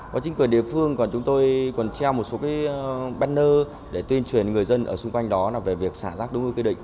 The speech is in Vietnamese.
có chính quyền địa phương còn chúng tôi còn treo một số banner để tuyên truyền người dân ở xung quanh đó là về việc xả rác đúng nơi quy định